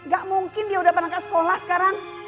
gak mungkin dia udah berangkat sekolah sekarang